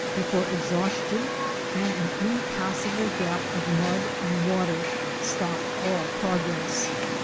before exhaustion and an impassable gap of mud and water stopped all progress.